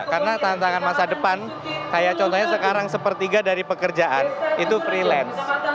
karena tantangan masa depan kayak contohnya sekarang sepertiga dari pekerjaan itu freelance